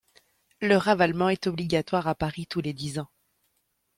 Le ravalement est obligatoire à Paris tous les dix ans.